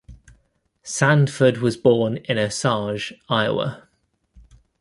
Sandford was born in Osage, Iowa.